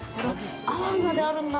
アワビまであるんだ。